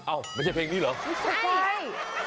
อ้าวไม่ใช่เพลงนี้เหรอไม่ใช่ไม่ใช่ไฟ